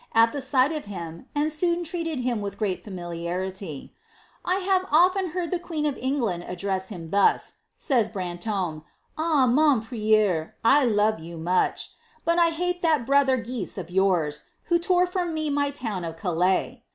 at the si^ht of him, and soon treated bim with great fainiliarity. " I fasre ufiea heard the queen of England address him thus." says Branionie, "Ab, muD Piteur, I love you uiucb ;' but I iiate lliat brother Guise of your*, who. lore from loe my town of Calais."